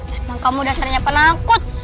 emang kamu dasarnya penangkut